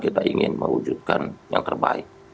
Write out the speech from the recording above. kita ingin mewujudkan yang terbaik